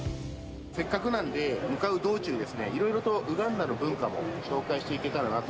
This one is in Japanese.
せっかくなんで、向かう道中ですね、いろいろとウガンダの文化も紹介していけたらなと。